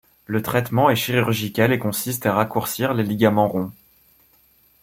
Le traitement est chirurgical et consiste à raccourcir les ligaments ronds.